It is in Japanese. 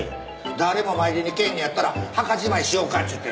誰も参りにけえへんやったら墓じまいしようかちゅうて。